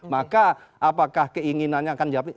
maka apakah keinginannya akan jawab